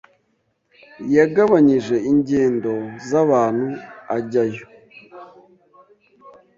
yagabanyije ingendo z'abantu ajyayo